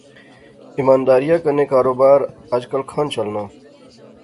ایمانداریا کنے کاروباری اج کل کھان چلنا؟